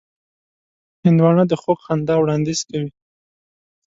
هندوانه د خوږ خندا وړاندیز کوي.